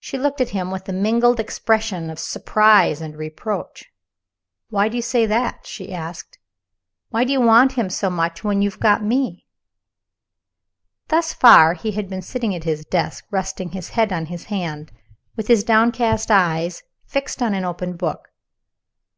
She looked at him with a mingled expression of surprise and reproach. "Why do you say that?" she asked. "Why do you want him so much when you have got Me?" Thus far, he had been sitting at his desk, resting his head on his hand, with his downcast eyes fixed on an open book.